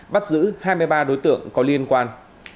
bắt giữ hai mươi ba đối tượng có liên quan